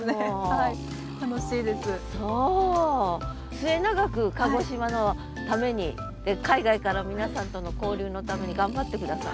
末永く鹿児島のために海外から皆さんとの交流のために頑張って下さい。